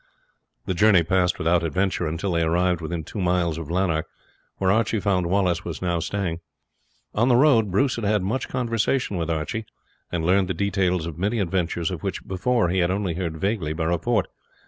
The journey passed without adventure until they arrived within two miles of Lanark, where Archie found Wallace was now staying. On the road Bruce had had much conversation with Archie, and learned the details of many adventures of which before he had only heard vaguely by report.